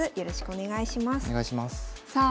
お願いします。